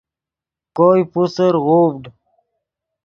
کوئے پوسر غوڤڈ